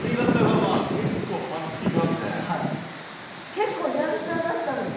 結構やんちゃだったんですか？